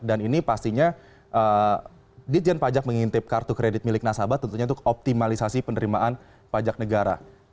dan ini pastinya ditjen pajak mengintip kartu kredit milik nasabah tentunya untuk optimalisasi penerimaan pajak negara